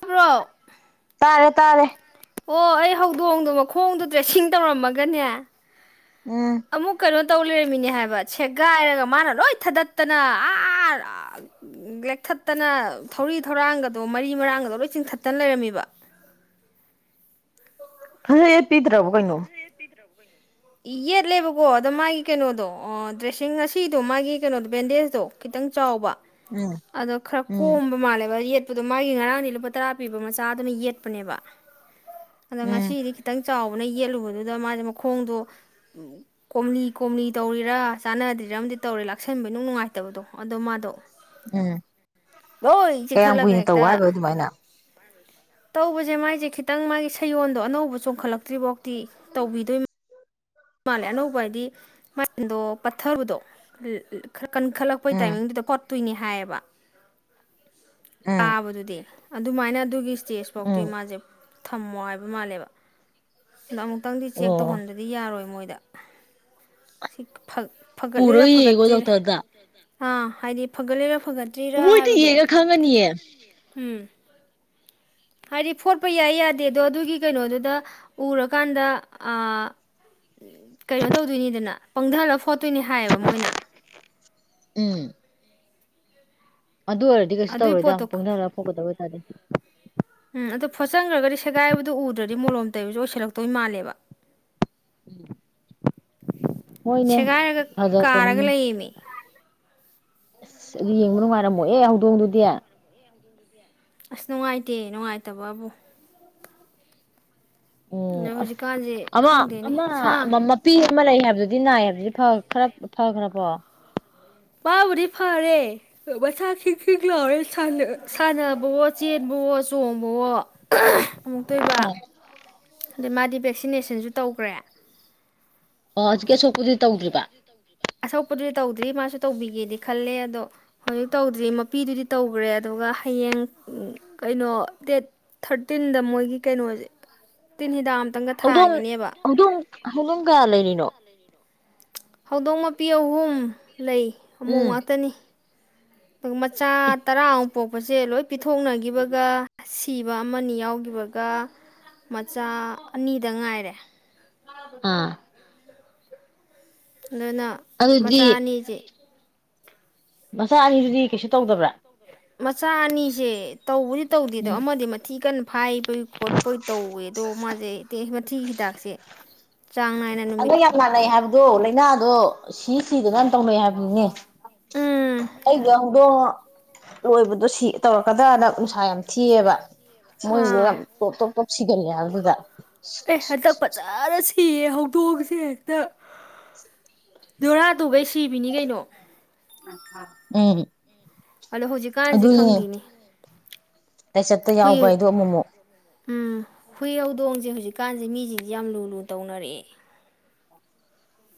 ꯀ꯭ꯔꯣꯛ ꯇꯥꯔꯦ ꯇꯥꯔꯦ ꯑꯣ ꯑꯩ ꯍꯧꯗꯣꯛꯍꯣꯡꯗꯣꯛꯕ ꯈꯣꯡꯗ ꯗ꯭ꯔꯦꯁꯤꯡ ꯇꯧꯔꯝꯃꯒꯅꯦ ꯑꯃꯃꯨꯛ ꯀꯣ ꯇꯧ ꯂꯩꯔꯝꯃꯤꯅꯦ ꯍꯥꯏꯕ ꯁꯦꯒꯥꯏꯔꯒ ꯃꯥꯅ ꯂꯣꯏ ꯊꯗꯠꯇꯅ ꯑꯥ ꯂꯦꯛꯊꯠꯇꯅ ꯊꯧꯔꯤ ꯊꯧꯔꯥꯡꯒꯗꯣ ꯃꯔꯤ ꯃꯔꯥꯡꯒꯗꯣ ꯂꯣꯏ ꯆꯤꯡꯊꯠꯇꯅ ꯂꯩꯔꯝꯃꯤꯕ ꯍ ꯑꯦ ꯄꯤꯗ꯭ꯔꯕꯣ ꯀꯩꯅꯣ ꯌꯦꯠꯂꯦꯕꯀꯣ ꯑꯗ ꯃꯥꯒꯤ ꯀꯩꯅꯣꯗꯣ ꯗ꯭ꯔꯦꯁꯤꯡ ꯉꯁꯤꯗꯣ ꯃꯥꯒꯤ ꯀꯩꯅꯣꯗꯣ ꯕꯦꯟꯗꯦꯖꯇꯣ ꯈꯤꯇꯪ ꯆꯥꯎꯕ ꯑꯗꯣ ꯈꯔ ꯀꯣꯝꯕ ꯃꯥꯜꯂꯦꯕ ꯌꯦ ꯑꯗꯣ ꯃꯥꯒꯤ ꯉꯔꯥꯡꯅꯤ ꯂꯨꯄꯥ ꯇꯔꯥ ꯄꯤꯕ ꯃꯆꯥꯗꯨꯅ ꯌꯦꯠꯄꯅꯦꯕ ꯑꯗꯣ ꯉꯁꯤꯗꯤ ꯈꯤꯇꯪ ꯆꯥꯎ ꯎꯅ ꯌꯦꯠꯂꯨꯕꯗ ꯑꯗꯥ ꯃꯥꯁꯦ ꯃꯈꯣꯡꯗꯣ ꯀꯣꯝꯂꯤ ꯀꯣꯝꯂꯤ ꯇꯧꯔꯤꯔꯥ ꯆꯥꯟꯅꯗ꯭ꯔꯤꯔꯥ ꯑꯃꯗꯤ ꯇꯧꯔꯦ ꯂꯥꯛꯁꯟꯕ ꯅꯨꯡ ꯅꯨꯡꯉꯥꯏꯇꯕꯗꯣ ꯑꯗꯣ ꯃꯥꯗꯣ ꯂꯣꯏ ꯆꯦꯛꯛꯊꯠꯂꯒ ꯍꯦꯛꯇꯥ ꯇꯧꯕꯁꯦ ꯃꯥꯏꯁꯦ ꯈꯤꯇꯪ ꯃꯥꯒꯤ ꯁꯌꯣꯜꯗꯣ ꯑꯅꯧꯕ ꯆꯣꯡꯈꯠꯂꯛꯇ꯭ꯔꯤꯐꯧꯗꯤ ꯇꯧꯕꯤꯗꯣꯏꯝ ꯃꯥꯜꯂꯦ ꯑꯅꯧꯕ ꯍꯥꯏꯗꯤ ꯃꯗꯣ ꯄꯠꯊꯕꯗꯣ ꯈꯔ ꯀꯟꯈꯠꯂꯛꯄꯩ ꯇꯥꯏꯃꯤꯡꯗꯨꯗ ꯄꯣꯠ ꯇꯨꯏꯅꯤ ꯍꯥꯏꯌꯦꯕ ꯇꯥꯕꯗꯨꯗꯤ ꯑꯗꯨꯃꯥꯏꯅ ꯑꯗꯨꯒꯤ ꯏꯁ꯭ꯇꯦꯖ ꯐꯥꯎꯗꯤ ꯃꯥꯁꯦ ꯊꯝꯃꯣ ꯍꯥꯏꯕ ꯃꯥꯜꯂꯦꯕ ꯑꯗꯣ ꯑꯃꯨꯛꯇꯪꯗꯤ ꯆꯦꯛ ꯇꯧꯍꯟꯗꯗꯤ ꯌꯥꯔꯣꯏ ꯃꯣꯏꯗ ꯁꯤ ꯐꯛ ꯐꯒꯠꯂꯤꯔꯥ ꯄꯨꯔꯒ ꯌꯦꯡꯉꯣ ꯐꯒꯠꯇ꯭ꯔꯤꯔꯥ ꯗꯣꯛꯇꯔꯗ ꯑꯥ ꯍꯥꯏꯗꯤ ꯐꯒꯠꯂꯔ ꯃꯣꯏꯗꯤ ꯌꯦꯒ ꯈꯪꯉꯅꯤꯌꯦ ꯎꯝ ꯍꯥꯏꯗꯤ ꯐꯣꯠꯄ ꯌꯥꯏ ꯌꯥꯗꯦ ꯑꯗꯣ ꯑꯗꯨꯒꯤ ꯀꯩꯅꯣꯗꯨꯗ ꯎꯔꯀꯥꯟꯗ ꯀꯩꯅꯣ ꯇꯧꯗꯣꯏꯅꯤꯗꯅ ꯄꯪꯗꯥꯍꯜꯂꯒ ꯐꯣ ꯆꯠꯇꯣꯏꯅꯦ ꯍꯥꯏꯌꯦꯕ ꯃꯣꯏꯅ ꯎꯝ ꯑꯗꯨ ꯑꯣꯏꯔꯗꯤ ꯀꯩꯁꯨ ꯑꯗꯨꯏ ꯇꯧꯔꯣꯏꯗ ꯄꯣꯠꯇꯣ ꯄꯨꯡꯊꯔꯒ ꯐꯥꯎꯒꯗꯕ ꯑꯣꯏꯇꯥꯔꯗꯤ ꯎꯝ ꯑꯗꯣ ꯐꯣꯠꯆꯟꯈ꯭ꯔꯒꯗꯤ ꯁꯦꯒꯥꯏꯕꯗꯨ ꯎꯗ꯭ꯔꯗꯤ ꯃꯣꯂꯣꯝ ꯇꯩꯕꯁꯨ ꯑꯣꯏꯁꯜꯂꯛꯇꯣꯏ ꯃꯥꯜꯂꯦꯕ ꯎꯝ ꯁꯦꯒꯥꯏꯔꯒ ꯀꯥꯔꯒ ꯂꯩꯃꯤ ꯑꯁ ꯑꯗꯨ ꯌꯦꯡꯕ ꯅꯨꯡꯉꯥꯏꯔꯝꯃꯣꯍ‌ꯦ ꯍꯧꯗꯣꯡꯗꯨꯗꯤ ꯑꯁ ꯅꯨꯡꯉꯥꯏꯇꯦ ꯅꯨꯡꯉꯥꯏꯇꯕꯕꯨ [inaudible] ꯑꯣ ꯑꯗꯣ ꯍꯧꯖꯤꯛꯀꯥꯟꯁꯦ ꯑꯁ ꯈꯪꯗꯦꯅꯦ ꯑꯃꯥ ꯁꯥ ꯑꯃꯥ ꯃꯄꯤ ꯑꯃ ꯂꯩ ꯍꯥꯏꯕꯗꯨꯗꯤ ꯅꯥꯏ ꯍꯥꯏꯕꯗꯤ ꯐꯥ ꯐꯥꯈꯔ ꯐꯈ꯭ꯔꯕꯣ ꯃꯥꯕꯨꯗꯤ ꯐꯔꯦ ꯃꯁꯥ ꯈꯤꯡ ꯈꯤꯡ ꯂꯥꯎꯔꯦ ꯁꯥꯟꯅꯕꯋꯣ ꯆꯦꯟꯕꯋꯣ ꯆꯣꯡꯕꯋꯣ ꯑꯃꯨꯛꯇꯣꯏꯕ ꯑꯗꯩ ꯃꯥꯗꯤ ꯚꯦꯛꯁꯤꯅꯦꯁꯟꯁꯨ ꯇꯧꯈ꯭ꯔꯦ ꯑꯣ ꯍꯧꯖꯤꯛꯀꯤ ꯑꯁꯨꯣꯛꯄꯨꯗꯤ ꯇꯧꯗ꯭ꯔꯤꯕ ꯑꯁꯣꯛꯄꯗꯨꯗꯤ ꯇꯧꯗ꯭ꯔꯤ ꯃꯥꯁꯨ ꯇꯧꯕꯤꯒꯦꯗꯤ ꯈꯜꯂꯦ ꯑꯗꯣ ꯍꯧꯖꯤꯛ ꯇꯧꯗ꯭ꯔꯤ ꯃꯄꯤꯗꯨꯗꯤ ꯇꯧꯈ꯭ꯔꯦ ꯑꯗꯨꯒ ꯍꯌꯦꯡ ꯀꯩꯅꯣ ꯗꯦꯠ ꯊꯥꯔꯇꯤꯟꯗ ꯃꯣꯏꯒꯤ ꯀꯩꯅꯣꯅꯤ ꯇꯤꯟ ꯍꯤꯗꯥꯛ ꯑꯃꯝꯇꯪꯒ ꯊꯥꯡꯉꯅꯦꯕ ꯍꯂꯝ ꯀꯌꯥ ꯂꯩꯔꯤꯅꯣ ꯍꯧꯗꯣꯡ ꯃꯄꯤ ꯑꯍꯨꯝ ꯂꯩ ꯑꯃꯨꯛ ꯉꯥꯛꯇꯅꯤ ꯃꯆꯥ ꯇꯔꯥ ꯄꯣꯄꯁꯁꯤꯂꯣꯏ ꯄꯤꯊꯣꯛꯅꯈꯤꯕꯒ ꯁꯤꯕ ꯑꯃꯅꯤ ꯌꯥꯎꯈꯤꯕ ꯑꯗꯨꯒ ꯃꯆꯥ ꯑꯅꯤꯗ ꯉꯥꯏꯔꯦ ꯑꯥ ꯑꯗꯨꯅ ꯃꯆꯥ ꯑꯅꯤꯁ ꯃꯆꯥ ꯑꯅꯤꯁꯨꯗꯤ ꯀꯩꯁꯨ ꯇꯧꯗꯕ꯭ꯔꯥ ꯃꯆꯥ ꯑꯅꯤꯁꯦ ꯇꯧꯕꯔꯤ ꯇꯧꯗꯦꯗꯣ ꯑꯃꯗꯤ ꯃꯊꯤ ꯀꯟꯅ ꯐꯥꯏꯚ ꯣꯏ ꯈꯣꯠꯄꯣꯏ ꯇꯧꯋꯦ ꯑꯗꯣ ꯃꯥꯁꯦ ꯤ ꯍꯤꯗꯥꯛꯁꯦ ꯆꯥꯡ ꯅꯥꯏꯅ ꯅꯨꯃꯤꯠ ꯑꯗ ꯌꯥꯝ ꯃꯥꯟꯅꯩ ꯍꯥꯏꯕꯗꯣ ꯂꯥꯏꯅꯥꯗꯣ ꯁꯤ ꯁꯤꯗ ꯅꯥꯟ ꯇꯧꯅꯩ ꯍꯥꯏꯕꯅꯤꯅꯦ ꯎꯝ ꯑꯩꯒꯗ ꯂꯣꯏꯕꯗꯣ ꯁꯤ ꯇꯧꯔꯛꯀꯗ꯭ꯔꯅ ꯅꯨꯡꯁꯥ ꯌꯥꯝ ꯊꯤꯑꯕ ꯃꯣꯏ ꯑꯥ ꯌꯥꯝ ꯄꯇ ꯄ ꯁꯤꯒꯂꯦ ꯑꯗꯨꯒ ꯑꯦ ꯑꯗ ꯄ ꯆꯥꯔ ꯊꯤꯌꯦ ꯍꯧꯗꯣꯛꯑꯒꯁꯦ ꯍꯦꯛꯇ ꯣꯔꯥꯗꯨꯒꯩ ꯁꯤꯕꯤꯅꯤ ꯀꯩꯅꯣ ꯂꯩꯦꯔꯤ ꯑꯗꯣ ꯍꯧꯖꯤꯛꯀꯥꯟꯁꯤꯦ ꯈꯪꯗꯦꯅꯦ ꯍꯨꯏ ꯎꯝ ꯍꯨꯏꯎꯗꯣꯡꯁꯦ ꯍꯧꯖꯤꯛ ꯍꯧꯖꯤꯛ ꯀꯥꯟꯁꯦ ꯃꯤꯁꯤꯡꯁ ꯌꯥꯝ ꯂꯨ ꯂꯨ ꯇꯧꯅꯔꯛꯑꯦ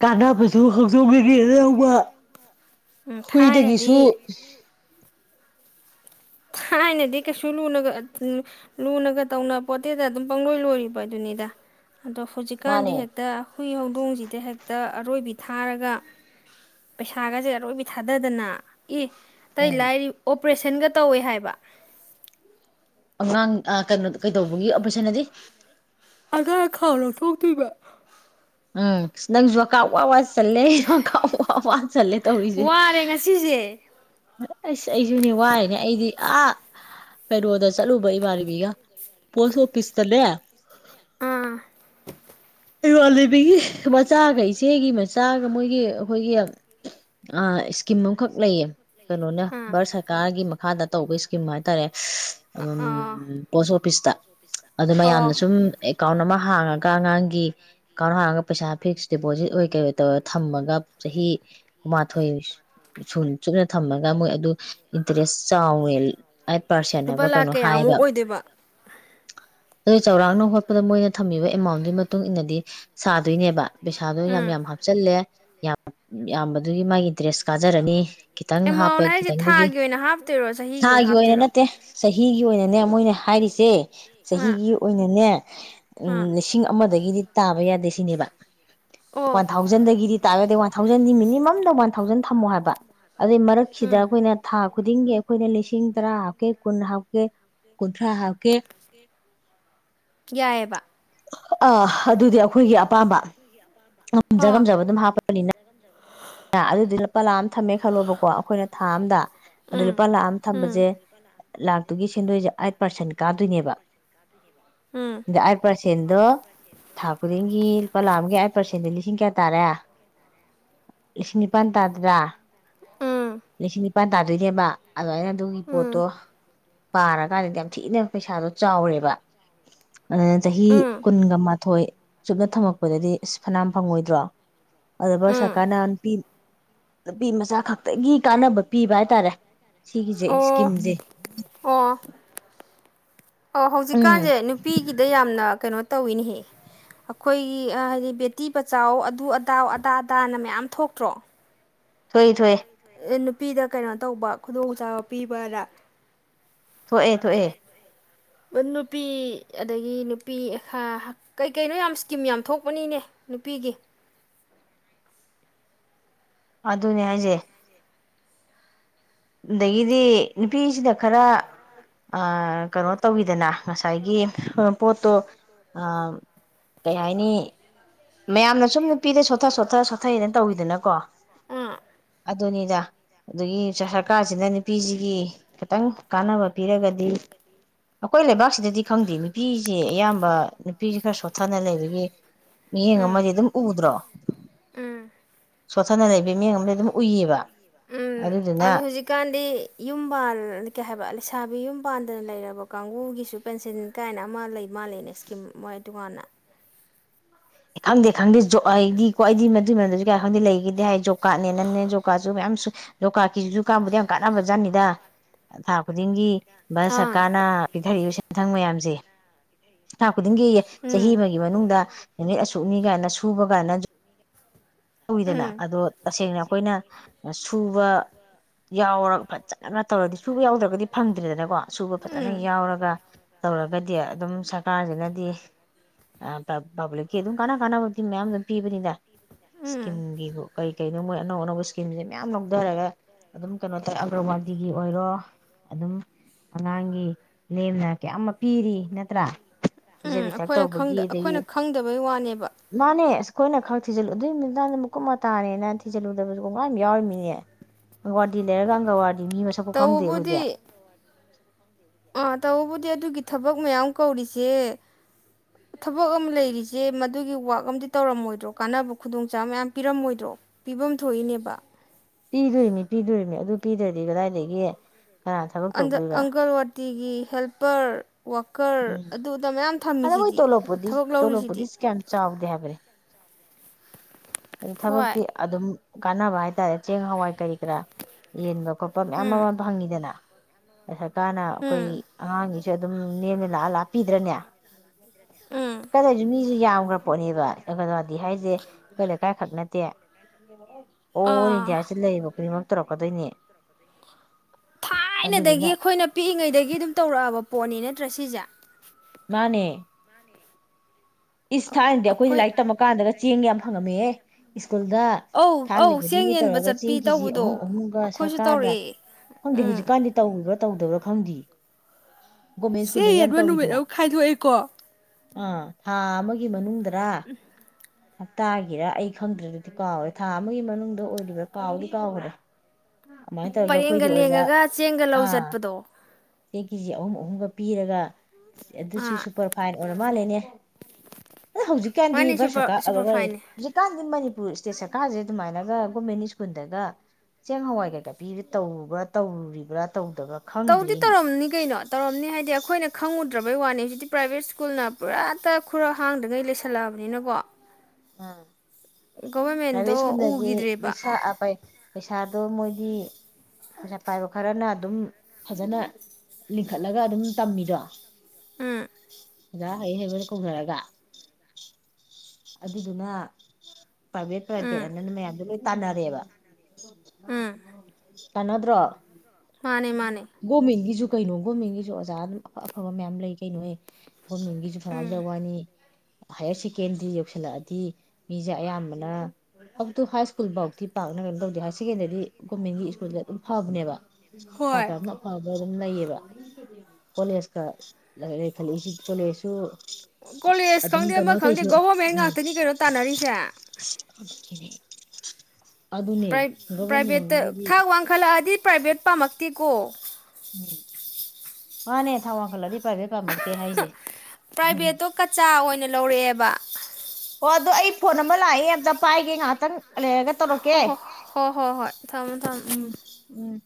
ꯀꯥꯟꯅꯕ ꯐꯁꯨ ꯍꯧꯪꯖꯣꯛꯕꯤꯔꯤ ꯌꯥꯎꯧꯕ ꯎꯝ ꯍꯨꯏꯗꯒꯤꯁꯨ ꯊꯥꯏꯅꯗꯤ ꯊꯥꯏꯅꯗꯤ ꯀꯩꯁꯨ ꯂꯨꯅꯒ ꯂꯨꯅꯒ ꯇꯧꯅ ꯄꯣꯠꯠꯇꯦꯗ ꯑꯗꯨꯝ ꯄꯪꯂꯣꯏ ꯂꯣꯏꯔꯤꯕ ꯑꯗꯨꯅꯤꯗ ꯑꯗꯣ ꯍꯧꯖꯤꯛꯀꯥꯟꯗꯤ ꯍꯦꯛꯇ ꯍꯈꯏ ꯍꯧꯗꯣꯡꯁꯤꯗ ꯍꯦꯛꯇ ꯑꯔꯣꯏꯕꯤ ꯊꯥꯔꯒ ꯄꯩꯁꯥꯒꯁꯦ ꯑꯔꯣꯏꯕꯤ ꯊꯥꯗꯗꯅ ꯑꯦ ꯇꯩ ꯂꯥꯏꯔꯤ ꯑꯣꯞ ꯄ꯭ꯔꯁꯦꯟꯒꯠ ꯇꯧꯋꯦ ꯍꯥꯏꯕ ꯑꯉꯥꯡ ꯀꯩꯅꯣ ꯀꯩꯗꯧꯕꯒꯤ ꯑꯣꯄꯔꯦꯁꯟꯗꯤ ꯑꯗꯥ ꯈꯥꯎ ꯂꯧꯣꯊꯣꯛꯇꯣꯏꯕ ꯎꯝ ꯅꯪꯁꯨ ꯀꯥ ꯋꯥ ꯋꯥ ꯆꯜꯂꯦ ꯑꯩ ꯁ ꯀꯥꯎ ꯋꯥ ꯆꯜꯂꯦ ꯇꯧꯔꯤꯁꯦ ꯋꯥꯔꯦ ꯉꯁꯤꯁꯦ ꯑꯁ ꯑꯩꯁꯨꯅꯦ ꯋꯥꯏꯅꯦ ꯑꯩꯗꯤ ꯑꯥ ꯀꯩꯅꯣꯗ ꯆꯠꯂꯨꯕ ꯏꯃꯥꯟꯅꯕꯤꯒ ꯄꯣꯁ ꯑꯣꯐꯤꯁꯇꯅꯦ ꯑꯥ ꯏꯆꯦꯒꯤ ꯃꯆꯥꯒ ꯃꯣꯏꯒꯤ ꯑꯩꯈꯣꯏꯒꯤ ꯏꯁꯀꯤꯝ ꯑꯃꯈꯛ ꯂꯩꯌꯦ ꯀꯩꯅꯣꯅ ꯑꯥ ꯚꯥꯔꯠ ꯁꯔꯀꯥꯔꯒꯤ ꯃꯈꯥꯗ ꯇꯧꯕ ꯏꯁꯀꯤꯝ ꯍꯥꯏꯇꯥꯔꯦ ꯑꯥ ꯄꯣꯁ ꯑꯣꯐꯤꯁꯇ ꯑꯗꯨ ꯑꯣ ꯃꯌꯥꯝꯅ ꯁꯨꯝ ꯑꯦꯀꯥꯎꯟ ꯑꯃ ꯍꯥꯡꯉꯒꯉꯥꯡꯒꯤ ꯑꯦꯀꯥꯎꯟ ꯍꯥꯡꯉꯒ ꯄꯩꯁꯥ ꯐꯤꯛꯁ ꯗꯗꯤꯄꯣꯖꯤꯠ ꯑꯣꯏꯩ ꯇꯧꯔ ꯊꯝꯃꯒ ꯆꯍꯤ ꯀꯨꯟꯃꯥꯊꯣꯏ ꯁ ꯆꯨꯞꯅ ꯊꯝꯃꯒ ꯃꯣꯏ ꯑꯗꯨ ꯏꯟꯇꯔꯦꯁ ꯆꯥꯎꯔꯦ ꯂꯨꯄꯥ ꯂꯥꯛꯈ ꯀꯌꯥꯃꯨꯛ ꯑꯣꯏꯗꯦꯕ ꯑꯗꯨ ꯆꯥꯎꯧꯔꯥꯛꯅ ꯍꯣꯠꯄꯗ ꯃꯣꯏꯅ ꯊꯝꯃꯤꯕ ꯑꯦꯃꯥꯎꯟꯗꯨꯒꯤ ꯃꯇꯨꯡ ꯏꯟꯅꯗꯤ ꯁꯥꯗꯣꯏꯅꯦꯕ ꯄꯩꯁꯥꯗꯣ ꯌꯥꯝ ꯎꯝ ꯌꯥꯝ ꯍꯥꯞꯆꯜꯂꯦ ꯌꯥꯝ ꯌꯥꯝꯕꯗꯨꯒꯤ ꯃꯥꯒꯤ ꯗ꯭ꯔꯦꯁ ꯀꯥꯖꯔꯅꯤ ꯑꯦꯃꯥꯎꯟ ꯍꯥꯏꯁꯦ ꯊꯥꯒꯤ ꯑꯣꯏꯅ ꯍꯥꯞꯇꯣꯏꯔꯣ ꯆꯍꯤꯒꯤ ꯑꯣꯏꯅ ꯍꯥꯞꯇꯣꯏꯔꯣ ꯆꯍꯤꯒꯤ ꯑꯣꯏꯅꯅꯦ ꯃꯣꯏꯅ ꯍꯥꯏꯔꯤꯁꯦ ꯑꯥ ꯆꯍꯤꯒꯤ ꯑꯣꯏꯅꯅꯦ ꯎ ꯑꯥ ꯂꯤꯁꯤꯡ ꯑꯃꯗꯒꯤꯗꯤ ꯇꯥꯕ ꯌꯥꯗꯦ ꯁꯤꯅꯦꯕ ꯑꯣ ꯋꯥꯟ ꯊꯧꯖꯟꯗꯒ ꯏꯔꯤ ꯇꯗ ꯊꯥꯎꯖꯟꯗꯤ ꯃꯤꯅꯤꯃꯝꯗ ꯋꯥꯟ ꯊꯥꯎꯖꯟ ꯊꯝꯃꯣ ꯍꯥꯏꯕ ꯑꯗꯩ ꯃꯔꯛꯁꯤꯗ ꯎꯝ ꯑꯩꯈꯣꯏꯅ ꯊꯥ ꯈꯨꯗꯤꯡꯒꯤ ꯑꯩꯈꯣꯏꯅ ꯂꯤꯁꯤꯡ ꯇꯔ ꯍꯥꯀꯦ ꯀꯨꯟ ꯍꯥꯀꯦ ꯀꯨꯊ꯭ꯔꯥ ꯍꯥꯥꯎ ꯌꯥꯑꯦꯕ ꯑꯥ ꯑꯗꯨꯗꯤ ꯑꯩꯈꯣꯏꯒꯤ ꯑꯄꯥꯝꯕ ꯉꯝꯖ ꯑꯥ ꯉꯝꯖꯕ ꯑꯗꯨꯝ ꯍꯥꯞꯄꯅꯤꯅ ꯑꯗꯨꯗꯤ ꯂꯨꯄꯥ ꯂꯥꯛ ꯑꯃ ꯊꯝꯃꯦ ꯈꯜꯂꯣꯕꯀꯣ ꯑꯩꯈꯣꯏꯅ ꯊꯥ ꯑꯝꯗ ꯑꯗꯨ ꯂꯨꯄꯥ ꯎꯝ ꯂꯥꯑ ꯑꯃ ꯎꯝ ꯊꯝꯕꯁꯦ ꯑꯗꯨꯒꯤ ꯁꯦꯟꯗꯣꯏꯁꯦ ꯑꯥꯏꯠ ꯄꯥꯔꯁꯦꯟ ꯀꯥꯗꯣꯏꯅꯦꯕ ꯎꯝ ꯑ ꯑꯩꯠ ꯄꯥꯔꯁꯦꯟꯗꯣ ꯊꯥ ꯈꯨꯗꯤꯡꯒꯤ ꯂꯨꯄꯥ ꯂꯥꯛꯑꯒꯦ ꯑꯩꯥꯏꯠ ꯄꯥꯔꯁꯦꯟꯗꯤ ꯂꯤꯁꯤꯡ ꯀꯌꯥ ꯇꯥꯔꯦ ꯂꯤꯁꯤꯡ ꯅꯤꯄꯜ ꯇꯥꯗ꯭ꯔꯥ ꯎꯝ ꯁ ꯏꯄꯥꯟ ꯇꯥꯣꯏꯅꯦꯃ ꯑꯗꯨꯃꯥꯏꯅ ꯑꯗꯨꯒꯤ ꯎꯝ ꯄꯣꯠꯇꯣ ꯄꯥꯔꯀꯥꯟꯗꯗꯤ ꯌꯥꯝ ꯊꯤꯅ ꯄꯩꯁꯥꯗꯣ ꯆꯥꯎꯔꯦꯕ ꯑꯗꯨꯅ ꯆꯍꯤ ꯎꯝ ꯀꯨꯟꯒ ꯃꯥꯊꯣꯏ ꯆꯨꯞꯅ ꯊꯝꯃꯛꯄꯗꯗꯤ ꯑ ꯐꯅꯌꯥꯝ ꯐꯪꯉꯣꯏꯗ꯭ꯔꯣ ꯑꯗꯣ ꯚꯥꯔꯠ ꯎꯝ ꯁꯔꯀꯥꯔꯅ ꯅꯨꯄꯤ ꯃꯆꯥ ꯈꯛꯇꯒꯤ ꯀꯥꯟꯅꯕ ꯄꯤꯕ ꯍꯥꯏꯇꯥꯔꯦ ꯁꯤꯒꯤꯁꯦ ꯑꯣ ꯏꯁꯀꯤꯝꯁꯦ ꯑꯣ ꯑꯣ ꯍꯧꯖꯤꯛꯀꯥꯟꯁꯦ ꯅꯨꯄꯤꯒꯤꯗ ꯌꯥꯝꯅ ꯀꯩꯅꯣ ꯇꯧꯏꯤꯅꯦꯍ ꯑꯩꯈꯣꯏꯒꯤ ꯍꯥꯏꯗꯤ ꯕꯦꯇꯤ ꯕꯆꯥꯎ ꯑꯗꯨ ꯑꯗꯥꯎ ꯑꯗꯥ ꯑꯗꯥꯅ ꯃꯌꯥꯝ ꯊꯣꯛꯇ꯭ꯔꯣ ꯊꯣꯛꯏ ꯊꯏ ꯅꯨꯄꯤꯗ ꯀꯩꯅꯣ ꯇꯧꯕ ꯈꯨꯗꯣꯡꯆꯥꯥꯕ ꯄꯤꯕꯗ ꯊꯣꯛꯑꯦ ꯊꯣꯛꯑꯦ ꯅꯨꯄꯤ ꯑꯗꯒꯤ ꯅꯨꯄꯤꯥ ꯀꯩꯀꯩꯅꯣ ꯌꯥꯝ ꯏꯁꯀꯤꯝ ꯌꯥꯝ ꯊꯣꯛꯄꯅꯤꯅꯦ ꯅꯨꯄꯤꯒꯤ ꯑꯗꯨꯅꯦ ꯍꯥꯏꯁꯦ ꯑꯗꯒꯤꯗꯤ ꯅꯨꯄꯤꯁꯤꯗ ꯈꯔ ꯀꯩꯅꯣ ꯇꯧꯕꯤꯗꯅ ꯉꯁꯥꯏꯒꯤ ꯄꯣꯠꯇꯣ ꯀꯩ ꯍꯥꯏꯅꯤ ꯃꯌꯥꯝꯅ ꯁꯨꯝ ꯅꯨꯄꯤꯗ ꯁꯣꯊ ꯁꯣꯠꯊ ꯁꯣꯊꯩꯗꯅ ꯇꯧꯋꯤꯗꯅꯀꯣ ꯑꯥ ꯑꯗꯨꯅꯤꯗ ꯑꯗꯨꯒꯤ ꯆ ꯁꯔꯀꯥꯔꯁꯤꯅ ꯅꯨꯄꯤꯁꯤꯒꯤ ꯈꯤꯇꯪ ꯀꯥꯟꯅꯕ ꯄꯤꯔꯒꯗꯤ ꯑꯩꯈꯣꯏ ꯂꯩꯕꯥꯛꯁꯤꯗꯗꯤ ꯈꯪꯗꯦ ꯅꯨꯄꯤꯁꯤ ꯑꯌꯥꯝꯕ ꯅꯨꯄꯤꯁꯤ ꯈꯔ ꯁꯣꯠꯊꯅ ꯂꯩꯕꯒꯤ ꯃꯤꯠꯌꯦꯡ ꯎꯝ ꯑꯃꯗꯤ ꯑꯗꯨꯝ ꯎꯗ꯭ꯔꯣ ꯎꯝ ꯁꯣꯠꯊꯅ ꯂꯩꯕꯒꯤ ꯃꯤꯠꯌꯦꯡ ꯑꯃꯗꯤ ꯑꯗꯨꯝ ꯎꯏꯌꯦꯕ ꯎꯝ ꯑꯗꯨꯗꯨꯅ ꯑꯗꯣ ꯍꯧꯖꯤꯛꯀꯥꯟꯗꯤ ꯌꯨꯝ ꯄꯥꯟ ꯀꯩ ꯍꯥꯏꯕ ꯂꯩꯁꯥꯕꯤ ꯌꯨꯝ ꯄꯥꯟꯗꯅ ꯂꯩꯔꯕ ꯀꯥꯡꯕꯨꯒꯤꯁꯨ ꯄꯦꯟꯁꯤꯟ ꯀꯥꯏꯅ ꯑꯃ ꯂꯩ ꯃꯥꯜꯂꯦꯅꯦ ꯏꯁꯀꯤꯝ ꯃꯣꯏ ꯀꯥꯟꯅ ꯑꯦ ꯑꯃ ꯈꯪꯗꯦ ꯍꯥꯏꯗꯤ ꯀꯣ ꯑꯩꯗꯤ ꯃꯗꯨ ꯃꯗꯨꯗꯤ ꯀꯥꯏ ꯈꯪꯗꯦ ꯂꯩꯈꯤꯗꯦ ꯍꯥꯏ ꯣꯕ ꯀꯥꯔꯗꯅꯦꯅꯦ ꯖꯣꯕ ꯀꯥꯔꯠꯁꯨ ꯃꯌꯥꯝ ꯂꯣꯀꯥꯀꯤꯁꯤꯁꯨ ꯀꯥꯝꯕꯗ ꯌꯥꯝ ꯀꯥꯟꯅꯕꯖꯥꯠꯅꯤꯗ ꯊꯥ ꯈꯨꯗꯤꯡꯒꯤ ꯁ ꯑꯥ ꯑꯀꯥꯅ ꯄꯤꯊꯔꯁ ꯃꯊꯪ ꯃꯌꯥꯝꯁꯦ ꯈꯨꯗꯤꯡꯒꯤ ꯎꯝ ꯆꯍꯤ ꯑꯃꯒꯤ ꯃꯅꯨꯡꯗ ꯅꯨꯃꯤꯠ ꯑꯁꯨꯛꯅꯤ ꯀꯥꯏꯅ ꯁꯨꯕ ꯀꯥꯏꯅ ꯇꯧꯋꯤꯗꯅ ꯎꯝ ꯑꯗꯣ ꯇꯁꯦꯡꯅ ꯑꯩꯈꯣꯏꯅ ꯁꯨꯕ ꯌꯥꯎꯔꯒ ꯐꯖꯅꯅ ꯇꯧꯔꯗꯤ ꯁꯨꯕ ꯌꯥꯎꯗꯕ ꯗꯤ ꯐꯪꯗ꯭ꯔꯤꯗꯅꯀꯣ ꯁꯨꯕ ꯐꯖꯅ ꯎꯝ ꯌꯥꯎꯔꯒ ꯇꯧꯔꯒꯗꯤ ꯑꯗꯨꯝ ꯁꯔꯀꯥꯔꯁꯤꯅꯗꯤ ꯄꯥꯕ꯭ꯂꯤꯛꯀꯤ ꯑꯗꯨꯝ ꯀꯥꯟꯅ ꯀꯥꯟꯅꯕꯗꯤ ꯃꯌꯥꯝ ꯑꯗꯨꯝ ꯄꯤꯕꯅꯤꯗ ꯎꯝ ꯏꯁꯀꯤꯝꯒꯤ ꯀꯔꯤ ꯀꯅꯣ ꯃꯣꯏ ꯑꯅꯧ ꯑꯅꯧꯕ ꯏꯁꯀꯤꯝꯁꯦ ꯃꯌꯥꯝ ꯂꯧꯊꯔꯒ ꯑꯗꯨꯝ ꯀꯩꯅꯣ ꯇꯧꯔ ꯑꯒ꯭ꯔꯋꯥꯗꯤꯒꯤ ꯑꯣꯏꯔꯣ ꯑꯗꯨꯝ ꯑꯉꯥꯡꯒꯤ ꯂꯦꯝꯅ ꯀꯌꯥ ꯑꯃ ꯄꯤꯔꯤ ꯅꯠꯇ꯭ꯔꯥ ꯎꯝ ꯄꯖꯕꯤꯤꯊꯛ ꯑꯩꯈꯣꯏꯅ ꯇꯧꯕꯒꯤ ꯈꯪꯗ ꯑꯗꯒꯤ ꯑꯩꯈꯣꯏꯅ ꯈꯪꯗꯕꯩ ꯋꯥꯅꯦꯕ ꯃꯥꯅꯦ ꯑ ꯑꯩꯈꯣꯏ ꯈ ꯊꯤꯖꯤꯜꯂꯨ ꯑꯗꯨ ꯗ ꯑꯃꯨꯛꯀꯨꯞ ꯃꯇꯥꯅꯦꯅ ꯊꯤꯖꯤꯜꯂꯨꯗꯕꯁꯨ ꯀꯣꯡꯀ ꯌꯥꯝ ꯌꯥꯎꯔꯤꯃꯤꯅꯦ ꯑꯪꯒꯋꯥꯗꯤ ꯂꯩꯔꯒ ꯑꯪꯒꯋꯥꯗꯤ ꯇꯧꯕꯕꯨꯗꯤ ꯑꯥ ꯇꯧꯕꯕꯨꯗꯤ ꯑꯗꯨꯒꯤ ꯊꯕꯛ ꯃꯌꯥꯝ ꯀꯧꯔꯤꯁꯦ ꯊꯕꯛ ꯑꯃ ꯂꯩꯔꯤꯁꯦ ꯃꯗꯨꯒꯤ ꯋꯥꯛ ꯑꯃꯗꯤꯝ ꯇꯧꯔꯝꯃꯣꯏꯗ꯭ꯔꯣ ꯀꯥꯟꯅꯕ ꯈꯨꯗꯣꯡꯆꯥꯕ ꯃꯌꯥꯝ ꯄꯤꯔꯝꯃꯣꯏꯗ꯭ꯔꯣ ꯄꯤꯐꯝ ꯊꯣꯛꯏꯅꯦꯕ ꯄꯤꯗꯣꯅꯤ ꯄꯤꯗꯣꯅꯤ ꯑꯗꯨ ꯄꯤꯗ꯭ꯔꯗꯤ ꯀꯗꯥꯏꯗꯒꯤ ꯑꯗ ꯑꯪꯀꯜꯋꯥꯇꯤꯒꯤ ꯍꯦꯜꯄꯔ ꯋꯥꯀꯔ ꯑꯗꯨꯗ ꯃꯌꯥꯝ ꯊꯝꯃꯤꯁꯤꯗꯤ ꯊꯕꯛ ꯂꯧꯔꯤꯁꯤꯗꯤ ꯑꯗꯨ ꯍꯣꯏ ꯊꯕꯛꯇꯤ ꯑꯗꯨꯝ ꯀꯥꯟꯅꯕ ꯍꯥꯏꯇꯥꯔꯦ ꯆꯦꯡ-ꯍꯋꯥꯏ ꯀꯔꯤ ꯀꯔꯥ ꯌꯦꯟꯕ ꯈꯣꯠꯄ ꯃꯌꯥꯝ ꯎꯝ ꯌꯥꯝ ꯐꯪꯉꯤꯗꯅ ꯁꯔꯀꯥꯔꯅ ꯑꯩꯈꯣꯏ ꯎꯝ ꯑꯉꯥꯡꯒꯤ ꯑꯗꯨꯝ ꯅꯦꯝꯅ ꯂꯥꯛꯑꯥ ꯂꯥꯛꯑꯥ ꯄꯤꯗ꯭ꯔꯅꯦ ꯎꯝ ꯀꯔꯦꯖꯨ ꯃꯤ ꯁꯤ ꯌꯥꯝꯈ꯭ꯔ ꯄꯣꯠꯅꯤꯕ ꯑꯪꯒꯋꯥꯗꯤ ꯍꯥꯏꯁꯦ ꯑꯈꯣꯏ ꯂꯩꯀꯥꯏ ꯈꯛ ꯅꯇꯦ ꯑꯣꯜ ꯑꯥ ꯏꯟꯗꯤꯌꯥ ꯁꯤ ꯂꯩꯔꯤꯕ ꯄꯨꯝꯅꯃꯛ ꯇꯧꯔꯛꯀꯗꯣꯏꯅꯤ ꯊꯥꯏꯅꯗꯒꯤ ꯑꯩꯈꯣꯏꯅ ꯄꯤꯛꯏꯉꯩꯗꯒꯤ ꯑꯗꯨꯝ ꯇꯧꯔꯛꯑꯕ ꯄꯣꯠꯅꯤ ꯅꯠꯇ꯭ꯔꯥ ꯁꯤꯁꯦ ꯃꯥꯟꯅꯦ ꯏꯁ ꯊꯥꯏꯅꯗꯤ ꯑꯩꯈꯣꯏꯁꯦ ꯑꯩꯈꯣꯏ ꯂꯥꯏꯔꯤꯛ ꯇꯝꯃꯀꯥꯟꯗꯒ ꯆꯦꯡ ꯌꯥꯝ ꯐꯪꯉꯝꯃꯦꯍꯦ ꯀꯨꯜꯗ ꯑꯧ ꯊꯥꯡꯖ ꯑꯧ ꯆꯦꯡ ꯈꯨꯗꯤꯡꯒꯤ ꯌꯦꯟꯕ ꯇꯧꯔꯒ ꯆꯦꯡ ꯆꯠꯄꯤ ꯀꯦꯖꯤ ꯑꯍꯨꯝ ꯇꯧꯕꯗꯣ ꯑꯍꯨꯝꯒ ꯑꯩꯈꯣꯏꯁꯨ ꯁꯔꯀꯥꯔꯅ ꯇꯧꯔꯛꯑꯦ ꯈꯪꯗꯦ ꯎꯝ ꯍꯧꯖꯤꯛꯀꯥꯟꯗꯤ ꯇꯧꯔꯤꯕ ꯇꯧꯗꯕ꯭ꯔ ꯈꯪꯗꯦ ꯁꯤ ꯌꯦꯟꯕ ꯅꯨꯃꯤꯠ ꯑꯃ ꯈꯥꯏꯗꯣꯛꯏꯀꯣ ꯑꯥ ꯊꯥ ꯑꯃꯒꯤ ꯃꯅꯨꯡꯗ ꯄꯔꯥ ꯍꯞꯇꯥꯒꯤꯔ ꯑꯩ ꯈꯪꯗ꯭ꯔꯦ ꯗꯨꯗꯤ ꯀꯥꯎꯋꯦ ꯊꯥ ꯑꯃꯒꯤ ꯃꯅꯨꯡꯗ ꯑꯣꯏꯔꯤꯕ꯭ꯔꯥ ꯀꯥꯎꯗꯤ ꯀꯥꯎꯒ꯭ꯔꯦ ꯄꯔꯦꯡꯒ ꯂꯦꯡꯉꯒ ꯆꯦꯡꯒ ꯂꯧ ꯆꯠꯄꯗꯣ ꯆꯦꯡ ꯀꯦꯖꯤ ꯑꯍꯨꯝ ꯑꯍꯨꯝꯒ ꯄꯤꯔꯒ ꯁꯤ ꯑꯗꯨꯁꯨ ꯑꯥ ꯁꯨꯄꯔ ꯐꯥꯏꯟ ꯑꯣꯏꯔ ꯃꯥꯜꯂꯦꯅꯦ ꯃꯣꯏ ꯍꯧꯖꯤꯛꯀꯥꯟꯗꯤ ꯃꯥꯅꯦ ꯚꯔ ꯁꯨꯄꯔ ꯁꯥꯀꯥꯔ ꯑꯕꯑꯌꯦ ꯁꯨꯄꯔꯐꯥꯏꯟꯅꯦ ꯍꯧꯖꯤꯛꯀꯥꯟꯗꯤ ꯃꯥꯅꯤ ꯨꯔ ꯏꯁꯇꯦꯠ ꯁꯔꯀꯥꯔꯁꯦ ꯑꯗꯨꯃꯥꯏꯅꯒ ꯒꯣꯔꯃꯦꯟ ꯁ꯭ꯀꯨꯜꯗꯒ ꯆꯦꯡ ꯍꯋꯥꯏ ꯀꯩꯀꯥ ꯄꯤꯕꯥ ꯇꯕ꯭ꯔꯥ ꯇꯧꯔꯤꯕ꯭ꯔꯥ ꯇꯧ ꯇꯧꯗꯤ ꯇꯧꯔꯝꯅꯤ ꯀꯩꯅꯣ ꯇꯧꯔꯝꯅꯤ ꯍꯥꯏꯗꯤ ꯑꯩꯈꯣꯏꯅ ꯈꯪꯉꯨ ꯗꯕꯩ ꯋꯥꯅꯤ ꯍꯧꯖꯤꯛꯇꯤ ꯄ꯭ꯔꯥꯏꯕꯦꯠ ꯁ꯭ꯀꯨꯜꯅ ꯄꯨꯔꯥ ꯇ ꯈꯨꯔ ꯍꯥꯡꯗ꯭ꯉꯩ ꯂꯩꯁꯜꯂꯛꯑꯕꯅꯤꯅ ꯀꯣ ꯎꯨꯝ ꯒꯣꯕꯔꯃꯦꯟꯗꯣ ꯄ꯭ꯔꯥꯏꯚꯦꯠ ꯁ꯭ꯀꯨꯜꯗꯗꯤ ꯎꯈꯤꯗ꯭ꯔꯦꯕ ꯅꯤꯁꯥ ꯑꯥ ꯄꯩꯁꯥ ꯑꯗꯣ ꯃꯣꯏꯗꯤ ꯄꯩꯁꯥ ꯄꯥꯏꯕ ꯈꯔꯅ ꯑꯗꯨꯝ ꯐꯖꯅ ꯂꯤꯡꯈꯠꯂꯒ ꯑꯗꯨꯝ ꯇꯝꯃꯤꯗꯣ ꯎꯝ ꯑꯣꯖ ꯍꯩ ꯍꯩꯕꯗ ꯀꯧꯅꯔꯒ ꯑꯗꯨꯗꯨꯅ ꯄꯕ ꯎꯝ ꯄ꯭ꯔꯗ ꯅ ꯑꯗꯨ ꯇꯅꯔꯦꯕ ꯎꯝ [inaudible] ꯀꯥꯟꯅꯗ꯭ꯔꯣ ꯃꯥꯅꯦ ꯃꯥꯅꯦ ꯣ ꯃꯗꯤꯁꯨ ꯀꯩ ꯂꯣꯡ ꯒꯣꯔꯃꯦꯟꯒꯤꯁꯨ ꯑꯣꯖꯥ ꯑꯗꯨꯝ ꯑꯐ ꯑꯐꯕ ꯃꯌꯥꯝ ꯂꯩ ꯀꯩꯅꯣꯍꯦ ꯑꯩꯈꯣꯏ ꯃꯤꯡꯒꯤꯁꯨ ꯎꯝ ꯐꯔꯥꯖ ꯋꯥꯅꯤ ꯍꯌꯦꯁꯤ ꯀꯦꯟꯗꯔꯤꯌ ꯇꯧꯁꯤꯜꯂꯛꯑꯗꯤ ꯃꯤꯁꯦ ꯑꯌꯥꯝꯕꯅ ꯑꯞ ꯇꯨ ꯍꯥꯏ ꯁ꯭ꯀꯨꯜ ꯐꯥꯎꯗꯤꯤ ꯄꯥꯛꯅ ꯀꯩꯅꯣ ꯇꯧꯗꯦ ꯍꯥꯏꯔ ꯁꯦꯀꯦꯟꯗꯔꯤ ꯒꯣꯔꯃꯦꯟꯒꯤ ꯁ꯭ꯀꯨꯜꯗ ꯑꯗꯨꯝ ꯐꯕꯅꯦꯕ ꯍꯣꯏ ꯆꯥꯗ ꯑꯃ ꯑ ꯐꯕ ꯑꯗꯨꯝ ꯂꯩꯌꯦꯕ ꯀꯣꯂꯦꯖꯀ ꯈꯅꯁꯤ ꯆꯣꯂꯛꯁꯨ ꯀꯣꯂꯦꯖ ꯈꯪꯗꯦ ꯑꯃ ꯈꯪꯗꯦ ꯒꯣ ꯉ ꯀꯩꯅꯣ ꯇꯅꯦ ꯄ꯭ꯔꯥꯏꯚꯦꯠꯇ ꯊꯥꯛ ꯋꯥꯡꯈꯠꯂꯛꯑꯗꯤ ꯄ꯭ꯔꯥꯏꯚꯦꯠ ꯎꯄꯥꯃꯛꯇꯤ ꯀꯣ ꯎꯝ ꯃꯥꯅꯦ ꯊꯥꯎ ꯋꯥꯡꯈꯠꯂꯗꯤ ꯄꯥꯕꯩ ꯄꯥꯝꯃꯛꯇꯦ ꯍꯥꯏꯁꯦ ꯄ꯭ꯔꯥꯏꯚꯦꯠꯇꯣ ꯀꯆꯥ ꯑꯣꯏꯅ ꯂꯧꯔꯛꯑꯦꯕ ꯑꯣ ꯑꯗꯣ ꯑꯩ ꯐꯣꯟ ꯑꯃ ꯂꯥꯛꯑꯦ ꯑꯝꯇ ꯄꯥꯏꯒꯦ ꯉꯥꯏꯍꯥꯛꯇꯪ ꯂꯦꯒꯦ ꯍꯣ ꯇꯧꯔꯀꯦ ꯍꯣ ꯍꯣ ꯍꯣ ꯍꯣꯏ ꯊꯝꯃꯣ ꯊꯝꯃꯣ ꯎꯝ ꯎꯝ [inaudible]